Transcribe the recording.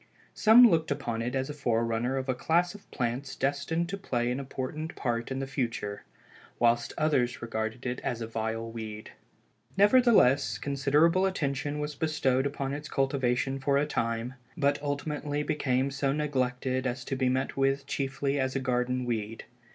Some looked upon it as the forerunner of a class of plants destined to play an important part in the future, whilst others regarded it as a vile weed. Nevertheless, considerable attention was bestowed upon its cultivation for a time; but ultimately became so neglected as to be met with chiefly as a garden weed.